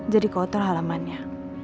jadi kotor halamannya